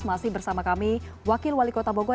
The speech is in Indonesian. masih bersama kami wakil wali kota bogor